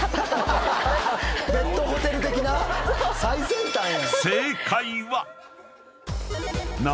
最先端やん。